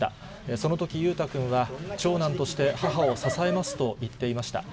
そのとき、裕太君は、長男として、母を支えますと言っていました。